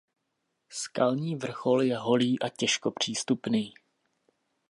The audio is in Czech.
Skalní vrchol je holý a těžko přístupný.